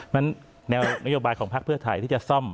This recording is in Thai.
แนวนโยบายของพักเพื่อไทยที่จะซ่อม